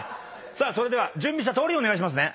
準備したとおりお願いしますね。